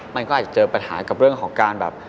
มันก็อาจจะเจอปัญหากับเรื่องของการแบบ